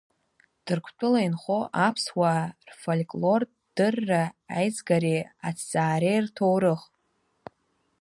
Ҭырқәтәыла инхо аԥсуаа рфольклортә дырра аизгареи аҭҵаареи рҭоурых.